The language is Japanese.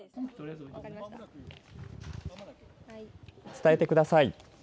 伝えてください。